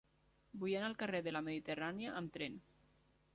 Vull anar al carrer de la Mediterrània amb tren.